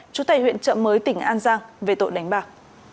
chú tây huyện trậm mới tỉnh an giang về tội đánh bạc